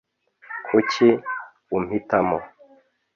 Kuki umpitamo